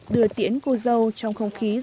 đưa tiễn cô dâu trong không khí rộn ràng